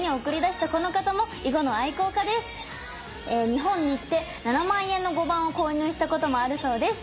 日本に来て７万円の碁盤を購入したこともあるそうです。